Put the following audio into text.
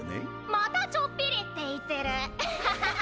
また「ちょっぴり」って言ってる。